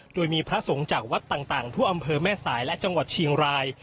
โดยมีพระสงฆ์จากวัดต่างทั่วอำเภอแม่สายและจังหวัดเชียงราย